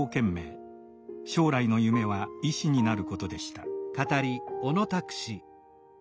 将来の夢は医師になることでした。